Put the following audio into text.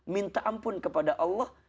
minta ampun kepada allah